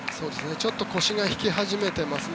ちょっと腰が引け始めていますね。